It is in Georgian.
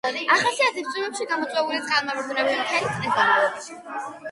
ახასიათებს წვიმებით გამოწვეული წყალმოვარდნები მთელი წლის განმავლობაში.